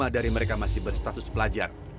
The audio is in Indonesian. lima dari mereka masih berstatus pelajar